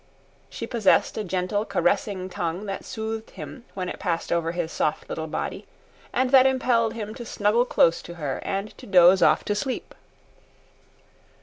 She possessed a gentle, caressing tongue that soothed him when it passed over his soft little body, and that impelled him to snuggle close against her and to doze off to sleep.